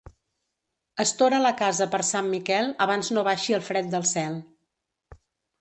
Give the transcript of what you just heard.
Estora la casa per Sant Miquel, abans no baixi el fred del cel.